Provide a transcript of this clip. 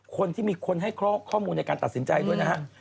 คนที่มีคนให้ข้อมูลในการตัดสินใจด้วยนะฮะ